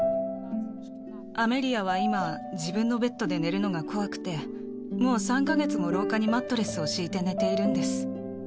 アメリアは今、自分のベッドで寝るのが怖くて、もう３か月も廊下にマットレスを敷いて寝ているんです。